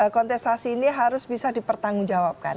kontestasi ini harus bisa dipertanggung jawabkan